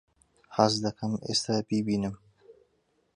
حەز دەکەم ئێستا بیبینم.